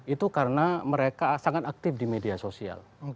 itu karena mereka sangat aktif di media sosial